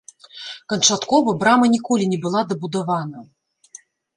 Канчаткова брама ніколі не была дабудавана.